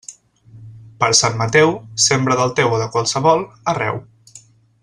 Per Sant Mateu, sembra del teu o de qualsevol, arreu.